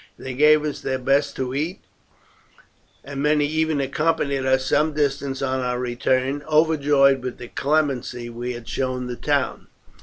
They gave us their best to eat, and many even accompanied us some distance on our return, overjoyed with the clemency we had shown the town."